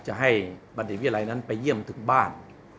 จะให้บัณฑิตวิทยาลัยนั้นไปเยี่ยมถึงบ้าน